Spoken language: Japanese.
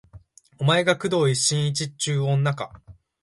お前が工藤新一っちゅう女か